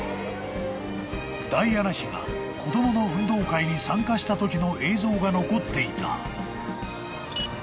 ［ダイアナ妃が子供の運動会に参加したときの映像が残っていた］